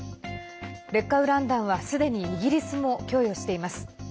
劣化ウラン弾は、すでにイギリスも供与しています。